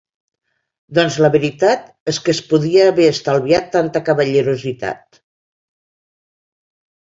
Doncs la veritat és que es podia haver estalviat tanta cavallerositat!